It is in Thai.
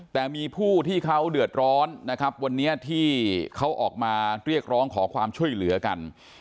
แต่มีผู้ที่เขาเดือดร้อนนะครับวันนี้ที่เขาออกมาเรียกร้องขอความช่วยเหลือกัน